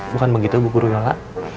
bukan begitu bu guru nyala